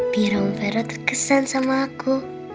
biar romvero terkesan sama aku